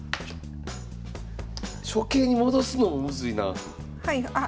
初形に戻すのもむずいなあ。